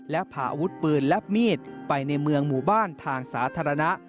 และพาอาวุธปืนและมีดไปในเมืองหมู่บ้านทางสาธารณะ